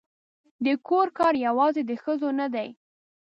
د کور کار یوازې د ښځو نه دی